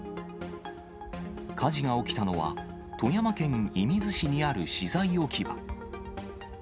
火事が起きたのは、富山県射水市にある資材置き場。